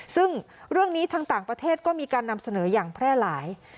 ซึ่งเรื่องนี้ทางต่างประเทศก็มีการนำเสนออย่างแพร่หลาย